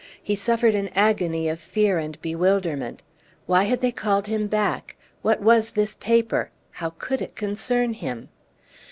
He suffered an agony of fear and bewilderment. Why had they called him back? What was this paper? How could it concern him?